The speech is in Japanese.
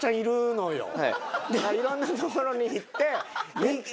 いろんなところに行って。